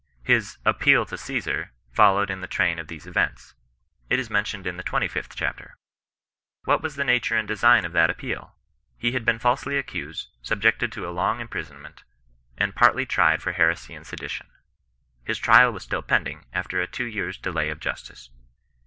His " appeal to Ccesar^^ followed in the train of these events. It is mentioned in the 25th chapter. What was the nature and design of that appeal 1 He had been falsely accused, subjected to a long imprisonment, and partly tried for heresy and sedition. His trial was still pending, after a two years delay of justice.